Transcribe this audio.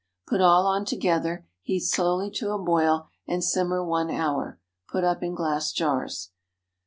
Put all on together, heat slowly to a boil, and simmer one hour. Put up in glass jars.